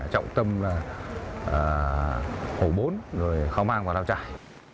trọng tâm là hồ bốn rồi khao mang và lào trải